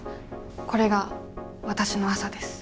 これがわたしの朝です。